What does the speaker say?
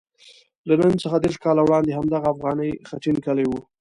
له نن څخه دېرش کاله وړاندې همدغه افغاني خټین کلی وو.